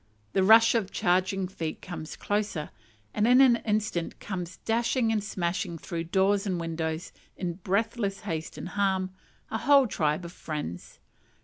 The rush of charging feet comes closer, and in an instant comes dashing and smashing through doors and windows, in breathless haste and alarm, a whole tribe of friends.